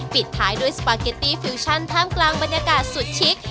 ปิดท้ายด้วยสปาเกตตี้ฟิวชั่นท่ามกลางบรรยากาศสุดชิค